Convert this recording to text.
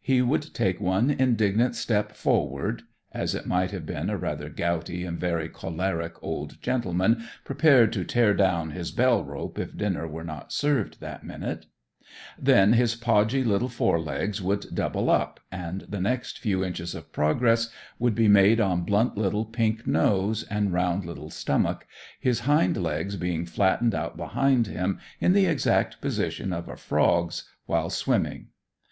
He would take one indignant step forward (as it might have been a rather gouty and very choleric old gentleman, prepared to tear down his bell rope if dinner were not served that minute); then his podgy little fore legs would double up, and the next few inches of progress would be made on blunt little pink nose, and round little stomach, his hind legs being flattened out behind him in the exact position of a frog's while swimming.